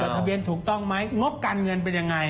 ทะเบียนถูกต้องไหมงบการเงินเป็นยังไง